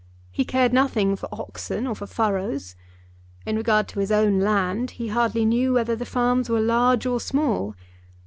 He cared nothing for oxen or for furrows. In regard to his own land he hardly knew whether the farms were large or small.